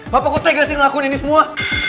papa kok tega sih ngelakuin ini semua